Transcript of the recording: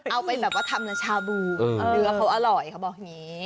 เอาไปแบบว่าทำชาบูเนื้อเขาอร่อยเขาบอกอย่างนี้